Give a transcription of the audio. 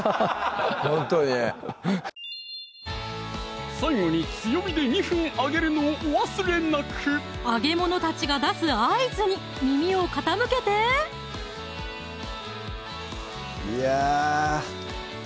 ほんとに最後に強火で２分揚げるのをお忘れなく揚げものたちが出す合図に耳を傾けていや